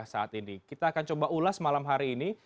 saat ini kita akan coba ulas malam hari ini